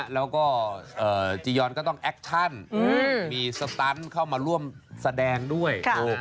แล้วก็จียอนก็ต้องแอคชั่นมีสตันเข้ามาร่วมแสดงด้วย